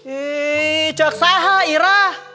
eh cek sahah irah